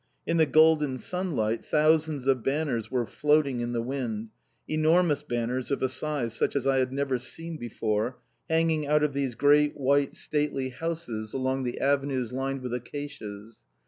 In the golden sunlight thousands of banners were floating in the wind, enormous banners of a size such as I had never seen before, hanging out of these great, white stately houses along the avenues lined with acacias.